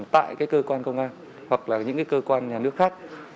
tại cơ quan công an hoặc là những cơ quan nhà nước khác